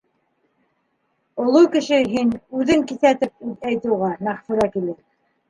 Оло кеше һин үҙең киҫәтеп әйт уға, Мәғфүрә килен.